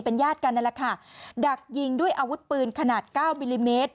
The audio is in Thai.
ญาติกันนั่นแหละค่ะดักยิงด้วยอาวุธปืนขนาดเก้ามิลลิเมตร